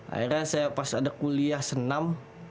akhirnya saya pas ada kuliah senam